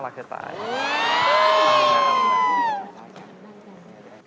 ไม่โกรธจริง